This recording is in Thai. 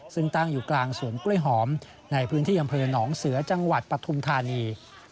ซึ่งตั้งอยู่กลางสวนกล้วยหอมในพื้นที่อำเภอหนองเสือจังหวัดปฐุมธานี